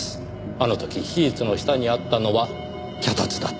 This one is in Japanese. あの時シーツの下にあったのは脚立だった。